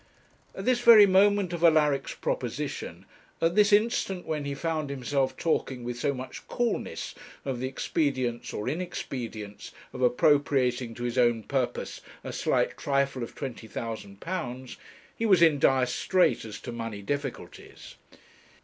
At this very moment of Alaric's proposition, at this instant when he found himself talking with so much coolness of the expedience or inexpedience of appropriating to his own purpose a slight trifle of £20,000, he was in dire strait as to money difficulties.